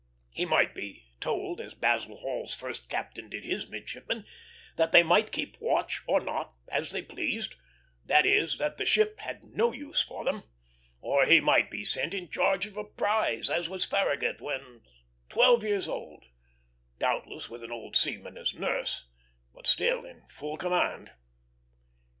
He might be told, as Basil Hall's first captain did his midshipmen, that they might keep watch or not, as they pleased that is, that the ship had no use for them; or he might be sent in charge of a prize, as was Farragut, when twelve years old, doubtless with an old seaman as nurse, but still in full command.